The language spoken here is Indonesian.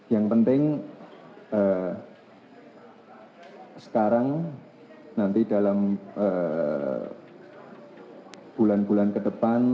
yang penting sekarang nanti dalam bulan bulan ke depan